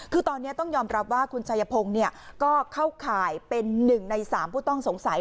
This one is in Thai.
คือตอนนี้ต้องยอมรับว่าคุณชายพงศ์ก็เข้าข่ายเป็น๑ใน๓ผู้ต้องสงสัย